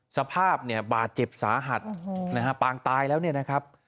สภาพบาดเจ็บสาหัสปางตายแล้วนี่นะครับ